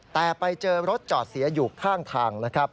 แต่ไปเจอรถจอดเสียอยู่ข้างทาง